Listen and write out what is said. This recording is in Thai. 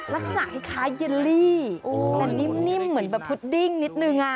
ลักษณะคล้ายเยลลี่แต่นิ่มเหมือนแบบพุดดิ้งนิดนึง